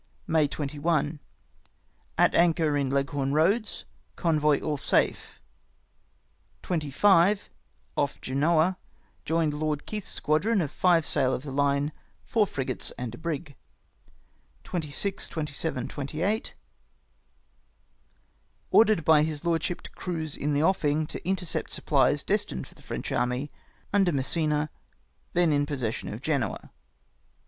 " May 21. — At anchor in Leghorn Eoads. Convoy all safe. 25. — Off Genoa. Joined Lord Keith's squadron of five sail of the line, four frigates and a brig. " 26, 27, 28. — Ordered by his lordship to cruise in the offing, to intercept supplies destined for the French army under Massena, then in possession of Grenoa.